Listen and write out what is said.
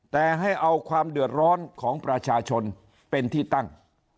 แต่ให้เอาความเดือดร้อนของประชาชนเป็นที่ตั้ง